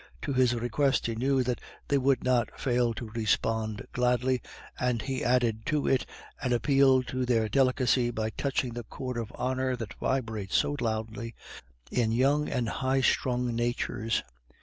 To his request he knew that they would not fail to respond gladly, and he added to it an appeal to their delicacy by touching the chord of honor that vibrates so loudly in young and high strung natures.